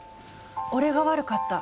「俺が悪かった。